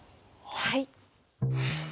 はい。